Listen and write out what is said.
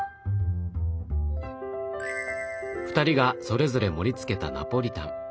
２人がそれぞれ盛りつけたナポリタン。